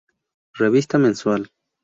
Revista Mensual".